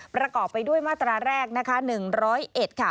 ประกอบไปด้วยมาตราแรกนะคะ๑๐๑ค่ะ